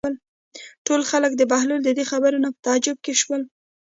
ټول خلک د بهلول د دې خبرو نه په تعجب کې شول.